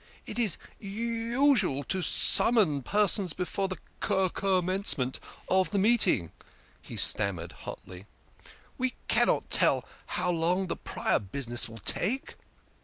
" It is usual t t to summon persons before the c c com mencement of the meeting," he stammered hotly. " We cannot tell how long the prior business will take."